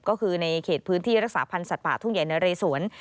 ก็คือในเขตพื้นที่รักษาพันธ์สัตว์ป่าทุ่งใหญ่นะเรสวน